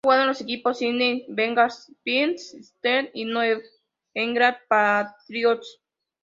Ha jugado en los equipos Cincinnati Bengals, Pittsburgh Steelers y New England Patriots